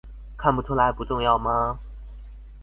看不出來不重要嗎？